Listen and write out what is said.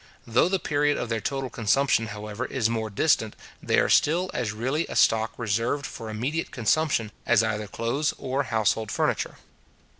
Though the period of their total consumption, however, is more distant, they are still as really a stock reserved for immediate consumption as either clothes or household furniture.